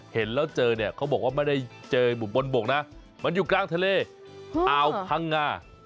เห็นแล้วเจอเนี่ยเขาบอกว่าไม่ได้เจอบนบกนะมันอยู่กลางทะเลอาวพังงา